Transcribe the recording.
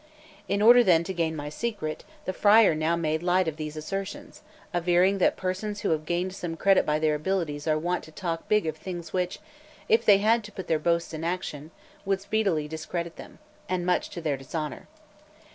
In order then to gain my secret, the friar now made light of these assertions, averring that persons who have gained some credit by their abilities, are wont to talk big of things which, if they had to put their boasts in action, would speedily discredit them, and much to their dishonour.